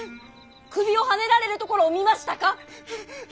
首をはねられるところを見ましたか。